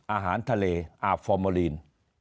อาหารทะเลอาบฟอร์โมลีน